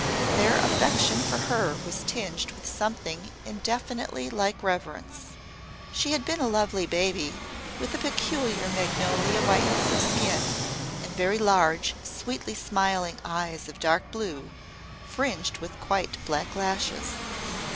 Their affection for her was tinged with something indefinitely like reverence. She had been a lovely baby with a peculiar magnolia whiteness of skin and very large, sweetly smiling eyes of dark blue, fringed with quite black lashes.